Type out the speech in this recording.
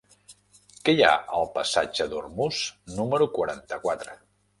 Què hi ha al passatge d'Ormuz número quaranta-quatre?